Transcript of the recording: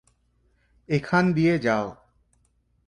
এখান দিয়ে যাও।